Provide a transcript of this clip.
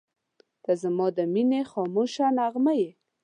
• ته زما د مینې خاموشه نغمه یې.